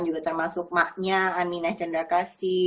juga termasuk maknya aminah cendakasi